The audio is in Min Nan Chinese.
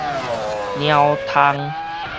貓筩